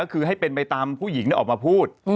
ก็คือให้เป็นไปตามผู้หญิงออกมาพูด